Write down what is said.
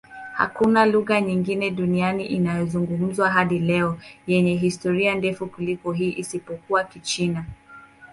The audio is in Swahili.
Hakuna lugha nyingine duniani inayozungumzwa hadi leo yenye historia ndefu kuliko hii, isipokuwa Kichina.